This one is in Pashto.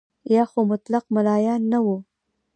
یا خو مطلق ملایان نه وو.